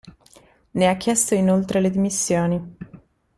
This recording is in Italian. Ne ha chiesto inoltre le dimissioni.